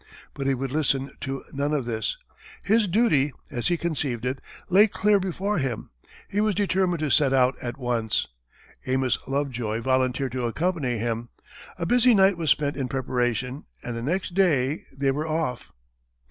But he would listen to none of this: his duty, as he conceived it, lay clear before him; he was determined to set out at once. Amos Lovejoy volunteered to accompany him, a busy night was spent in preparation, and the next day they were off.